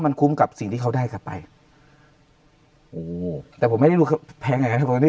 มันคุ้มกับสิ่งที่เขาได้กลับไปแต่ผมไม่รู้ว่าแพงอย่างนี้